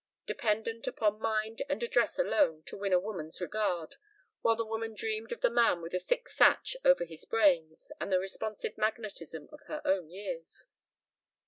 Dependent upon mind and address alone to win a woman's regard, while the woman dreamed of the man with a thick thatch over his brains and the responsive magnetism of her own years.